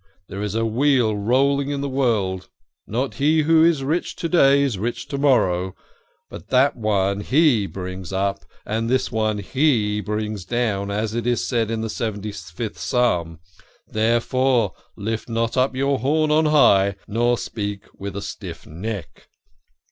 There is a wheel rolling in the world not he who is rich to day is rich to morrow, but this one He brings up, and this one He brings down, as is said in the seventy fifth Psalm. There fore, lift not up your horn on high, nor speak with a stiff neck."